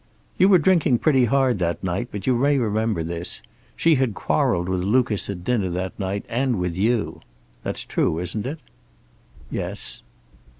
"You were drinking pretty hard that night, but you may remember this: She had quarreled with Lucas at dinner that night and with you. That's true, isn't it?" "Yes."